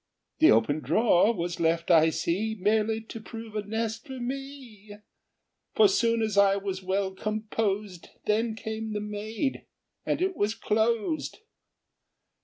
The open drawer was left, I see, Merely to prove a nest for me, For soon as I was well composed, Then came the maid, and it was closed.